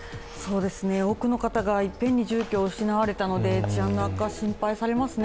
多くの方がいっぺんに住居をなくされたので治安の悪化は心配されますね